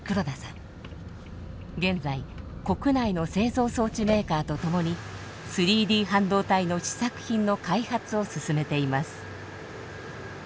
現在国内の製造装置メーカーと共に３Ｄ半導体の試作品の開発を進めています。